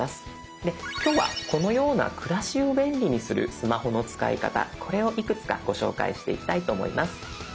で今日はこのような暮らしを便利にするスマホの使い方これをいくつかご紹介していきたいと思います。